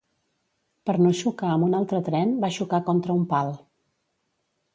Per no xocar amb un altre tren, va xocar contra un pal.